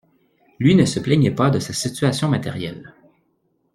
Lui ne se plaignait pas de sa situation matérielle.